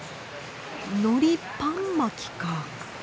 のりパン巻きか。